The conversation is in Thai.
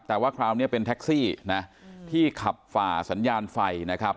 แต่ว่าคราวนี้เป็นแท็กซี่นะที่ขับฝ่าสัญญาณไฟนะครับ